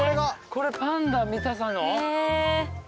これパンダ見たさの？